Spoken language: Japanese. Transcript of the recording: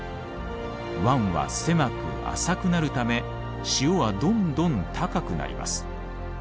湾は狭く浅くなるため潮はどんどん高くなります。